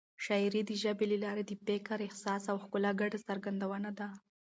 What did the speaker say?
شاعري د ژبې له لارې د فکر، احساس او ښکلا ګډه څرګندونه ده.